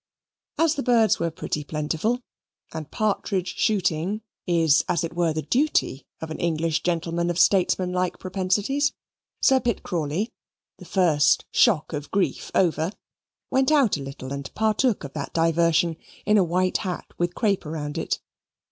As the birds were pretty plentiful, and partridge shooting is as it were the duty of an English gentleman of statesmanlike propensities, Sir Pitt Crawley, the first shock of grief over, went out a little and partook of that diversion in a white hat with crape round it.